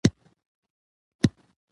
ازادي راډیو د تعلیم کیسې وړاندې کړي.